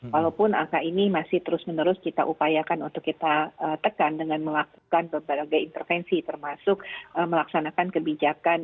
walaupun angka ini masih terus menerus kita upayakan untuk kita tekan dengan melakukan berbagai intervensi termasuk melaksanakan kebijakan